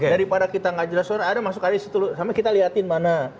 daripada kita nggak jelasin ada masuk ada di situ sampai kita lihatin mana